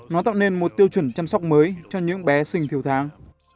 nó tạo nên một tiêu chuẩn chăm sóc mới cho những bé sinh thiều thang